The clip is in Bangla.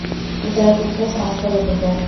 উদয়াদিত্য সমস্ত বলিলেন।